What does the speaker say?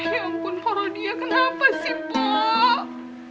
ya ampun porodia kenapa sih pok